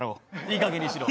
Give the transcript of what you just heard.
いいかげんにしろ。